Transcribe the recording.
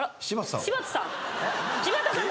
柴田さん。